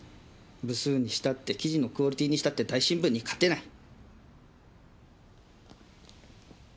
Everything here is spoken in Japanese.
部数にしたって記事のクオリティーにしたって大新聞に勝てない。